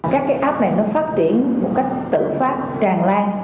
các cái app này nó phát triển một cách tự phát tràn lan